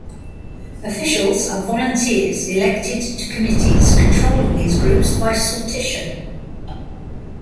Officials are volunteers elected to committees controlling these groups by sortition.